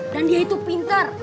dan dia itu pinter